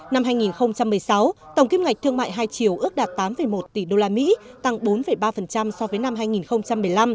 năm hai nghìn một mươi sáu tổng kim ngạch thương mại hai triệu ước đạt tám một tỷ usd tăng bốn ba so với năm hai nghìn một mươi năm